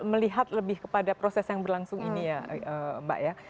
melihat lebih kepada proses yang berlangsung ini ya mbak ya